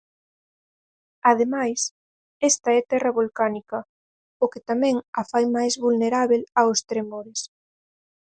Ademais, esta é terra volcánica, o que tamén a fai máis vulnerábel aos tremores.